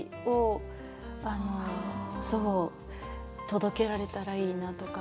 届けられたらいいなとか。